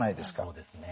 そうですね。